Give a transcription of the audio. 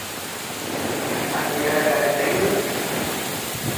A señora Carreteiro, si.